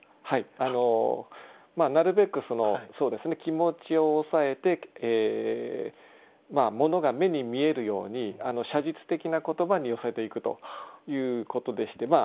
はいあのなるべくそうですね気持ちを抑えて物が目に見えるように写実的な言葉に寄せていくということでして。